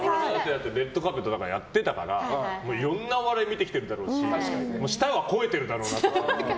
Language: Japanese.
だって「レッドカーペット」とかやってたからいろんなお笑い見てきてるだろうし舌は肥えてるだろうなと。